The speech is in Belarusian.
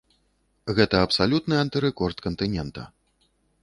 Гэта абсалютны антырэкорд кантынента.